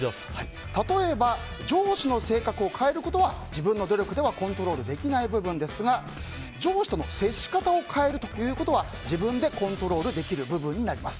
例えば上司の性格を変えることは自分の努力ではコントロールできない部分ですが上司との接し方を変えるということは自分でコントロールできる部分になります。